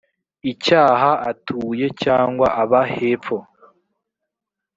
icyaha atuye cyangwa aba hepfo